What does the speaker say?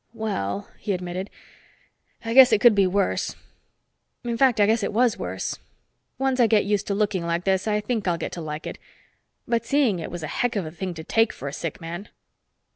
"Well," he admitted, "I guess it could be worse. In fact, I guess it was worse once I get used to looking like this, I think I'll get to like it. But seeing it was a heck of a thing to take for a sick man."